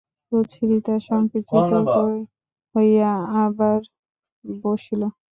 সুচরিতা সংকুচিত হইয়া আবার বসিল।